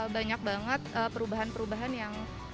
banyak banget perubahan perubahan yang